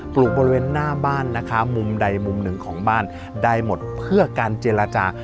ลูกบริเวณหน้าบ้านนะคะมุมใดมุมหนึ่งของบ้านได้หมดเพื่อการเจรจา